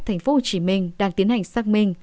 thành phố hồ chí minh đang tiến hành xác minh